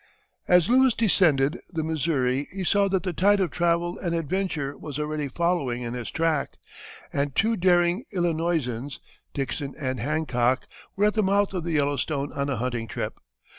As Lewis descended the Missouri he saw that the tide of travel and adventure was already following in his track, and two daring Illinoisans, Dickson and Hancock, were at the mouth of the Yellowstone on a hunting trip.